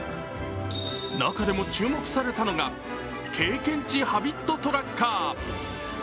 中でも注目されたのが経験値ハビットトラッカー。